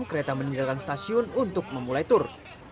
kereta meninggalkan stasiun untuk memulai tur